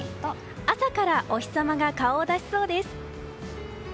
朝からお日様が顔を出しそうです。